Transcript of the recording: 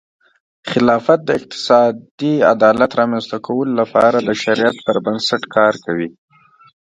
خلافت د اقتصادي عدالت رامنځته کولو لپاره د شریعت پر بنسټ کار کوي.